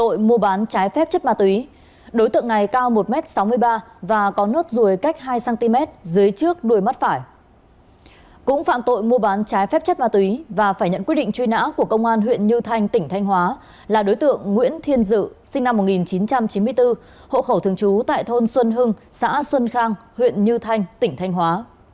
cũng phạm tội mua bán trái phép chất ma túy và phải nhận quyết định truy nã của công an huyện như thanh tỉnh thanh hóa là đối tượng nguyễn thiên dự sinh năm một nghìn chín trăm chín mươi bốn hộ khẩu thường trú tại thôn xuân hưng xã xuân khang huyện như thanh tỉnh thanh hóa